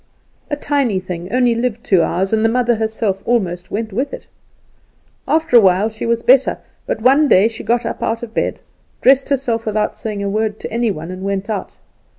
A tiny thing only lived two hours, and the mother herself almost went with it. After a while she was better; but one day she got up out of bed, dressed herself without saying a word to any one, and went out.